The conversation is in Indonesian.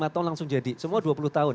lima tahun langsung jadi semua dua puluh tahun